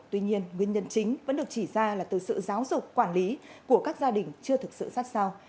tuy nhiên nguyên nhân chính vẫn được chỉ ra là từ sự giáo dục quản lý của các gia đình chưa thực sự sát sao